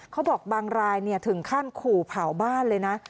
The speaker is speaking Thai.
เขาบอกบางรายถึงขั้นขู่เผาบ้านเลยนะ